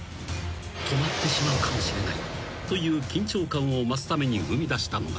［止まってしまうかもしれないという緊張感を増すために生みだしたのが］